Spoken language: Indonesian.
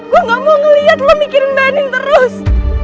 gue gak mau ngeliat lo mikirin banding terus